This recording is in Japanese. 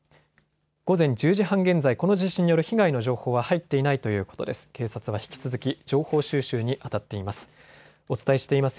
午前１０時半現在、この地震による被害の情報は入っていないということです。